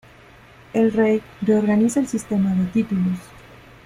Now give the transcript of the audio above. El rey reorganiza el sistema de títulos.